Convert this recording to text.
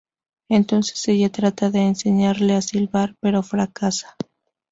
Entonces, ella trata de enseñarle a silbar, pero fracasa.